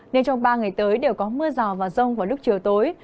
nên trong ba ngày tới đều có mưa rào và rông vào lúc chiều tối